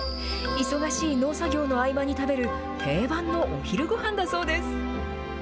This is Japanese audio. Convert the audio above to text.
忙しい農作業の合間に食べる、定番のお昼ごはんだそうです。